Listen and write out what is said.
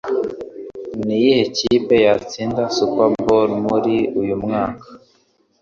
Niyihe kipe yatsindiye Super Bowl muri uyu mwaka?